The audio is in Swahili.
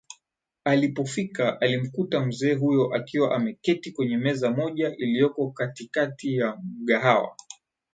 Alipofika alimkuta mzee huyo akiwa ameketi kwenye meza moja ilioko katikati ya mgahawa